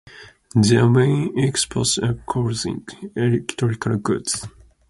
Their main exports are clothing, electrical goods.